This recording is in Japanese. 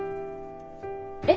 えっ？